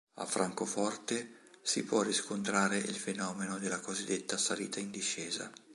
A Francofonte si può riscontrare il fenomeno della cosiddetta salita in discesa.